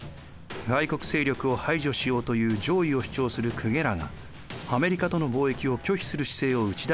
外国勢力を排除しようという「攘夷」を主張する公家らがアメリカとの貿易を拒否する姿勢を打ち出したのです。